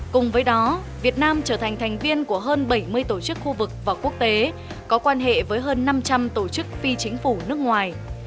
cùng với đó việt nam trở thành thành viên của hơn bảy mươi tổ chức khu vực và quốc tế có quan hệ với hơn năm trăm linh tổ chức phi chính phủ nước ngoài